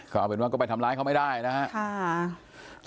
ก็เอาเป็นว่าก็ไปทำร้ายเขาไม่ได้นะครับ